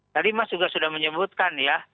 tadi mas juga sudah menyebutkan ya